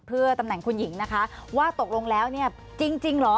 เพื่อตำแหน่งคุณหญิงนะคะว่าตกลงแล้วเนี่ยจริงเหรอ